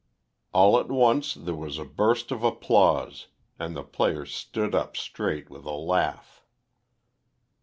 All at once there was a burst of applause, and the player stood up straight with a laugh.